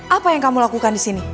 apa yang kamu lakukan disini